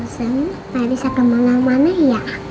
gak bisa ke rumah mana ya